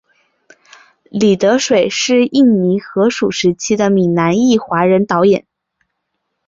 李德水是印尼荷属时期的闽南裔华人电影导演。